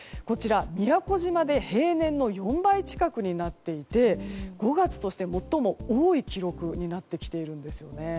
宮古島で平年の４倍近くになっていて５月として最も多い記録になってきているんです。